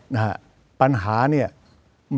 จะพิจารณาคม